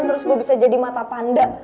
terus gue bisa jadi mata pandang